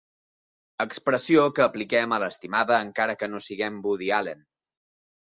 Expressió que apliquem a l'estimada, encara que no siguem Woody Allen.